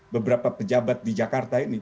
beberapa pejabat di jakarta ini